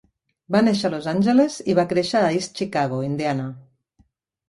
Va néixer a Los Angeles i va créixer a East Chicago, Indiana.